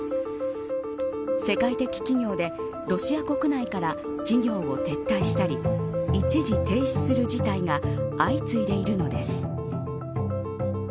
世界的企業でロシア国内から事業を撤退したり一時停止する事態が相次いでいるのです。